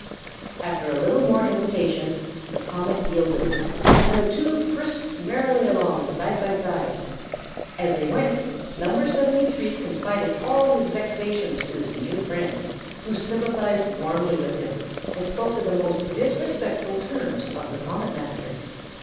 After a little more hesitation, the comet yielded, and the two frisked merrily along, side by side. As they went, No. 73 confided all his vexations to his new friend, who sympathized warmly with him, and spoke in most disrespectful terms of the Comet Master.